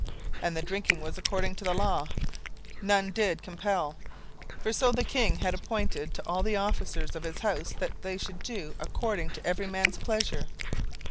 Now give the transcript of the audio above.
17:001:008 And the drinking was according to the law; none did compel: for so the king had appointed to all the officers of his house, that they should do according to every man's pleasure.